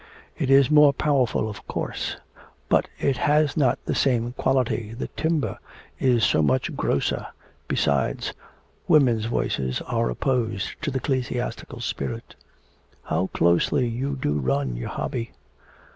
'It is more powerful, of course; but it has not the same quality the timbre is so much grosser. Besides, women's voices are opposed to the ecclesiastical spirit.' 'How closely you do run your hobby.'